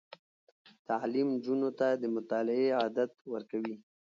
تعلیم نجونو ته د مطالعې عادت ورکوي.